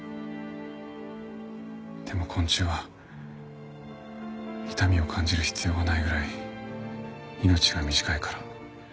でも昆虫は痛みを感じる必要がないぐらい命が短いから。